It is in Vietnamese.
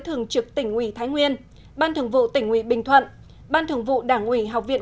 thường trực tỉnh ủy thái nguyên ban thường vụ tỉnh ủy bình thuận ban thường vụ đảng ủy học viện